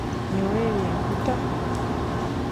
Ne weerya enkuta.